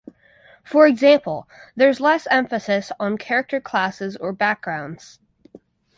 For example, there's less emphasis on character classes or backgrounds